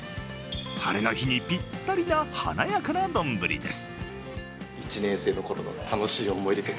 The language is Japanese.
ハレの日にぴったりな華やかな丼です。